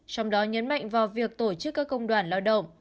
trong đó nhấn mạnh vào việc tổ chức các công đoàn lao động